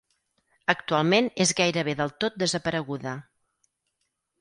Actualment és gairebé del tot desapareguda.